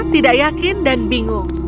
tidak yakin dan bingung